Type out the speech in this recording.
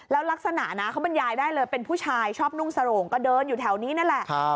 แล้วลักษณะนะเขาบรรยายได้เลยเป็นผู้ชายชอบนุ่งสโรงก็เดินอยู่แถวนี้นั่นแหละ